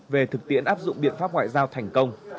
về thực tiễn áp dụng biện pháp ngoại giao thành công